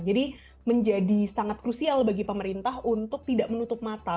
jadi menjadi sangat krusial bagi pemerintah untuk tidak menutup mata